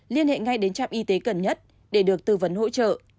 liên hệ ngay đến trạm y tế gần nhất để được tư vấn hỗ trợ